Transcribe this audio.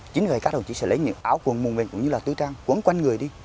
chính vì vậy các đồng chí sẽ lấy những áo quần mùng mềm cũng như là tư trang quấn quanh người đi